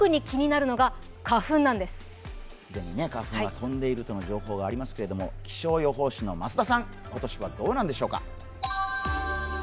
既に花粉は飛んでいるという情報もありますけれども気象予報士の増田さん、今年はどうなんでしょうか。